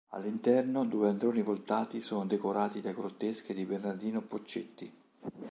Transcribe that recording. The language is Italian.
All'interno due androni voltati sono decorati da grottesche di Bernardino Poccetti.